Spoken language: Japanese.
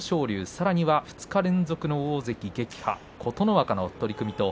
さらに２日連続大関撃破琴ノ若の取組。